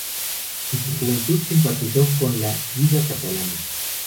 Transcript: En su juventud simpatizó con la Lliga Catalana.